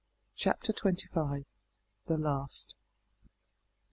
CHAPTER TWENTY FIVE. THE LAST.